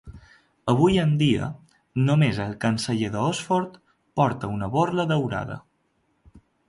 Avui en dia, només el canceller d'Oxford porta una borla daurada.